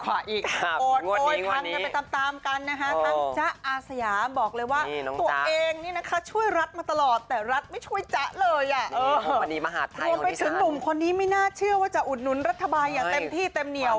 โรงพยาบาลมหาดไทยโรงพยาบาลมที่ชั้นโดนไปถึงหนุ่มคนนี้ไม่น่าเชื่อว่าจะอุดนุ้นรัฐบาลอย่างเต็มที่เต็มเหนียว